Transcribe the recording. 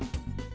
bởi vì giáo dục